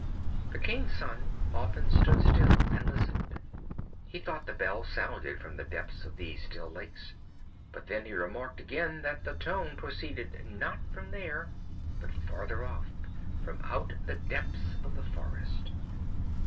The King's Son often stood still and listened. He thought the bell sounded from the depths of these still lakes; but then he remarked again that the tone proceeded not from there, but farther off, from out the depths of the forest.